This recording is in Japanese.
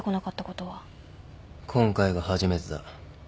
今回が初めてだ。